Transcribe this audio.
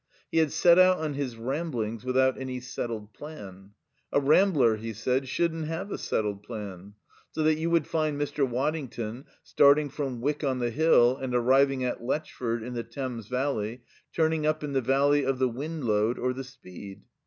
He had set out on his ramblings without any settled plan. "A rambler," he said, "shouldn't have a settled plan." So that you would find Mr. Waddington, starting from Wyck on the Hill and arriving at Lechford in the Thames valley, turning up in the valley of the Windlode or the Speed.